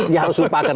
dia harus lupakan